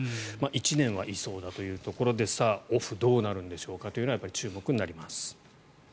１年はいそうだというところでさあ、オフどうなるんでしょうかというのは注目になります。